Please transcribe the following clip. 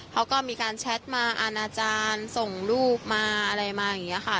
เขาก็มีการแชทมาอาณาจารย์ส่งรูปมาอะไรมาอย่างนี้ค่ะ